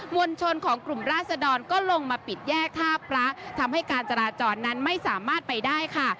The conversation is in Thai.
วลชนของกลุ่มราศดรก็ลงมาปิดแยกท่าพระทำให้การจราจรนั้นไม่สามารถไปได้ค่ะ